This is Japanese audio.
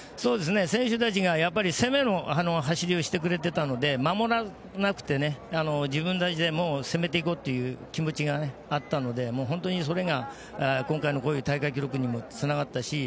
選手たちが攻めの走りをしてくれていたので守らなくて、自分たちで攻めていこうという気持ちがあったのでもう本当にそれが今回のこういう大会記録にもつながったし